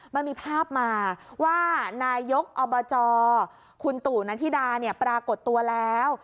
มันมีภาพมาว่านายกอบจคุณตู่นันธิดาเนี่ยปรากฏตัวแล้ว